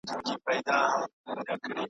خولې د عالمونو څوک ګنډلای نه سي وايی دي .